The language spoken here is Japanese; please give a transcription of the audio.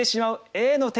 Ａの手。